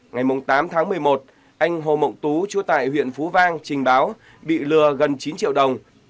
ngày tám tháng một mươi một anh hồ mộng tú chú tại huyện phú vang trình báo bị lừa gần chín triệu đồng